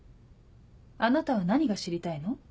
あなたは何が知りたいの？